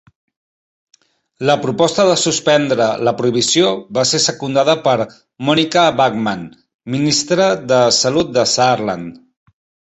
La proposta de suspendre la prohibició va ser secundada per Monika Bachmann, Ministra de Salut de Saarland.